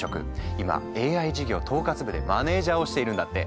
今ＡＩ事業統括部でマネージャーをしているんだって。